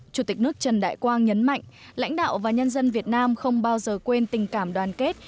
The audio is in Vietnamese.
chủ tịch nước trần đại quang nhấn mạnh lãnh đạo và nhân dân việt nam không bao giờ quên tình cảm đoàn kết